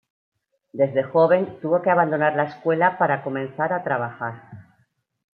Desde joven tuvo que abandonar la escuela para comenzar a trabajar.